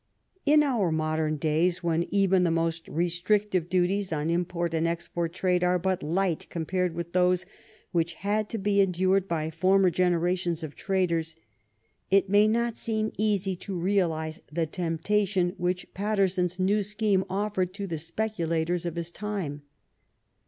In our modern days, when even the most restrictive duties on import and export trade are but light com pared with those which had to be endured by former generations of traders, it may not seem easy to realize the temptation which Paterson^s new scheme offered to the speculators of his time.